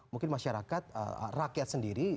mungkin masyarakat rakyat sendiri